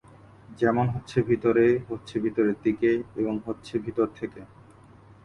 যেমন হচ্ছে "ভিতরে", হচ্ছে "ভিতরের দিকে" এবং হচ্ছে "ভিতর থেকে"।